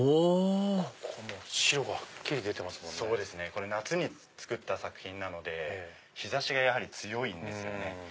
これ夏に作った作品なので日差しがやはり強いんですよね。